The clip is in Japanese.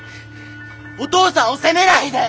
お父さんを責めないで！